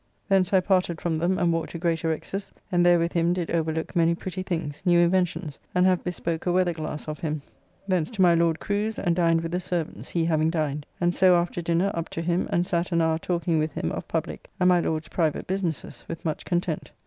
Thence I parted from them and walked to Greatorex's, and there with him did overlook many pretty things, new inventions, and have bespoke a weather glass of him. Thence to my Lord Crew's, and dined with the servants, he having dined; and so, after dinner, up to him, and sat an hour talking with him of publique, and my Lord's private businesses, with much content.